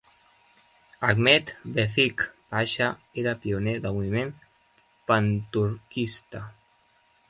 Ahmed Vefik Pasha era pioner del moviment panturquista.